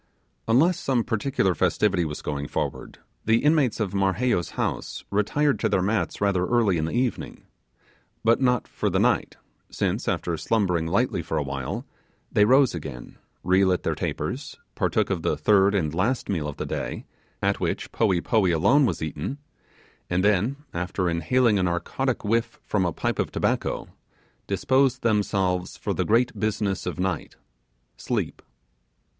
Unless some particular festivity was going forward, the inmates of Marheyo's house retired to their mats rather early in the evening; but not for the night, since, after slumbering lightly for a while, they rose again, relit their tapers, partook of the third and last meal of the day, at which poee poee alone was eaten, and then, after inhaling a narcotic whiff from a pipe of tobacco, disposed themselves for the great business of night, sleep.